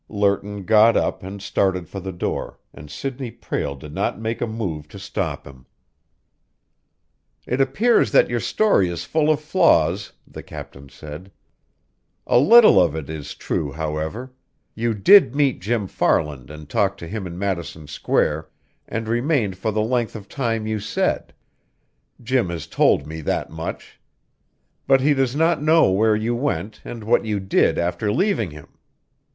Lerton got up and started for the door, and Sidney Prale did not make a move to stop him. "It appears that your story is full of flaws," the captain said. "A little of it is true, however; you did meet Jim Farland and talk to him in Madison Square, and remained for the length of time you said. Jim has told me that much. But he does not know where you went and what you did after leaving him.